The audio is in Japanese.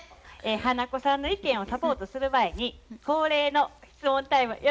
花子さんの意見をサポートする前に恒例の質問タイムよろしいでしょうか？